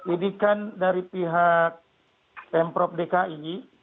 ini kan dari pihak pemprov dki